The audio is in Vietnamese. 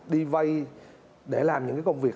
đi vay để làm những cái công việc